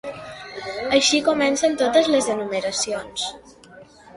Així comencen totes les enumeracions.